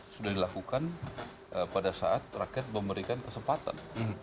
apa yang sudah dilakukan pada saat rakyat memberikan kesempatan